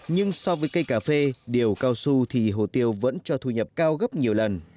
nhưng so với cây cà phê điều cao su thì hồ tiêu vẫn cho thu nhập cao gấp nhiều lần